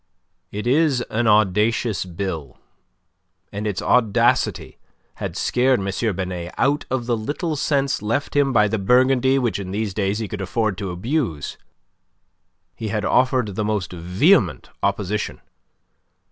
It is an audacious bill, and its audacity had scared M. Binet out of the little sense left him by the Burgundy which in these days he could afford to abuse. He had offered the most vehement opposition.